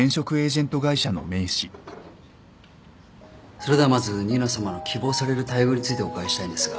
それではまず新名さまの希望される待遇についてお伺いしたいんですが。